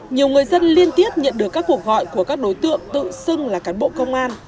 nhiều người dân liên tiếp nhận được các cuộc gọi của các đối tượng tự xưng là cán bộ công an